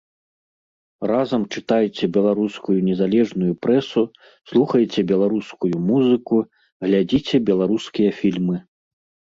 Разам чытайце беларускую незалежную прэсу, слухайце беларускую музыку, глядзіце беларускія фільмы.